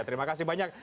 terima kasih banyak